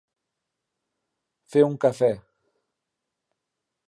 Fer un cafè.